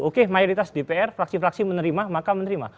oke mayoritas dpr fraksi fraksi menerima maka menerima